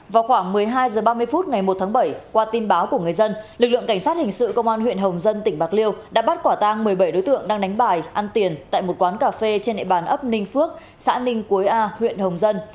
vào khoảng một mươi hai h ba mươi phút ngày một tháng bảy qua tin báo của người dân lực lượng cảnh sát hình sự công an huyện hồng dân tỉnh bạc liêu đã bắt quả tang một mươi bảy đối tượng đang đánh bài ăn tiền tại một quán cà phê trên địa bàn ấp ninh phước xã ninh quế a huyện hồng dân